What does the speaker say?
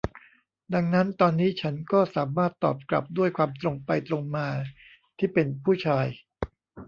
ดังนั้นตอนนี้ฉันก็สามารถตอบกลับด้วยความตรงไปตรงมาที่เป็นผู้ชาย